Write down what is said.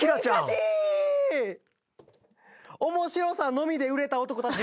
「面白さのみで売れた男たち」